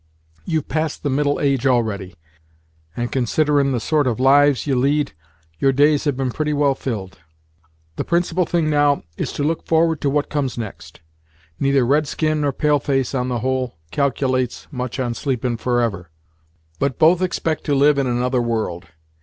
You've passed the middle age already, and, considerin' the sort of lives ye lead, your days have been pretty well filled. The principal thing now, is to look forward to what comes next. Neither red skin nor pale face, on the whole, calculates much on sleepin' forever; but both expect to live in another world.